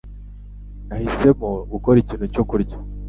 Nahisemo gukora ikintu cyo kurya.